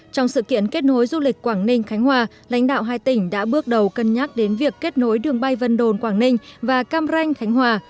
trong sự kiện kết nối du lịch quảng ninh khánh hòa lãnh đạo hai tỉnh đã bước đầu cân nhắc đến việc kết nối đường bay vân đồn quảng ninh và cam ranh khánh hòa